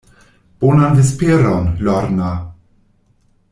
Bonan vesperon, Lorna.